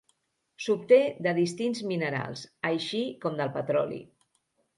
S'obté de distints minerals, així com del petroli.